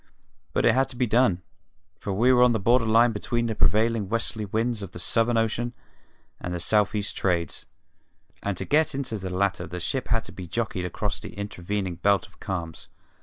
But it had to be done, for we were on the border line between the prevailing westerly winds of the Southern Ocean and the south east Trades, and to get into the latter the ship had to be jockeyed across the intervening belt of calms.